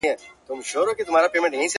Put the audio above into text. هسي نه چي په شرابو اموخته سم.